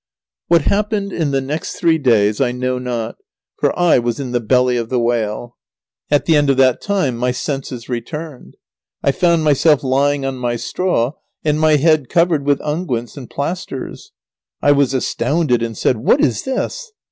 What happened in the next three days I know not, for I was in the belly of the whale. At the end of that time my senses returned. I found myself lying on my straw, and my head covered with unguents and plasters. I was astounded and said: "What is this?"